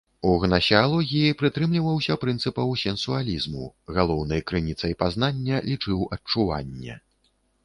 У гнасеалогіі прытрымліваўся прынцыпаў сенсуалізму, галоўнай крыніцай пазнання лічыў адчуванне.